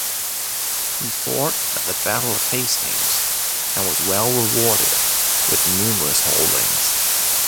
He fought at the Battle of Hastings and was well rewarded with numerous holdings.